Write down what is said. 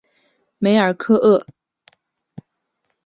梅尔科厄。